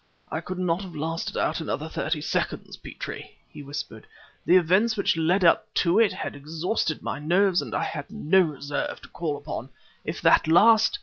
"I could not have lasted out another thirty seconds, Petrie!" he whispered. "The events which led up to it had exhausted my nerves and I had no reserve to call upon. If that last